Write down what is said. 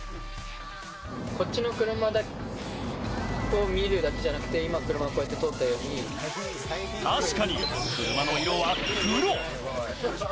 こっちの車を見るだけじゃなくて、今、確かに、車の色は黒。